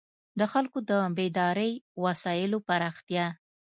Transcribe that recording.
د خلکو د بېدارۍ وسایلو پراختیا.